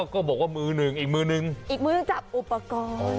ก็บอกว่ามือหนึ่งอีกมือหนึ่งอีกมือหนึ่งจับอุปกรณ์